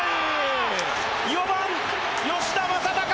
４番吉田正尚